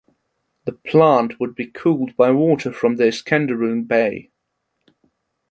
The plant would be cooled by water from Iskenderun Bay.